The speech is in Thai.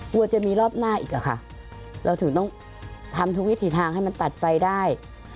กลัวจะมีรอบหน้าอีกอะค่ะเราถึงต้องทำทุกวิถีทางให้มันตัดไฟได้